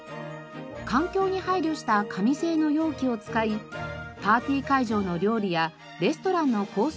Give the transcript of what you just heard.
環境に配慮した紙製の容器を使いパーティー会場の料理やレストランのコース